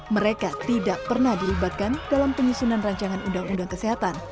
mereka tidak pernah dilibatkan dalam penyusunan rancangan undang undang kesehatan